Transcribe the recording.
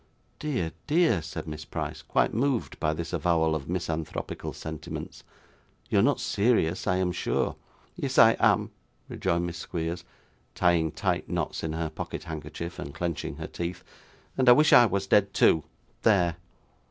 'Dear, dear,' said Miss Price, quite moved by this avowal of misanthropical sentiments. 'You are not serious, I am sure.' 'Yes, I am,' rejoined Miss Squeers, tying tight knots in her pocket handkerchief and clenching her teeth. 'And I wish I was dead too. There!